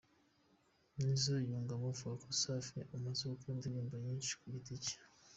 Nizo yungamo avuga ko Safi amaze gukora indirimbo nyinshi ku giti cye.